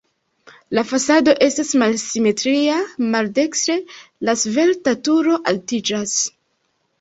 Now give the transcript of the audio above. La fasado estas malsimetria, maldekstre la svelta turo altiĝas.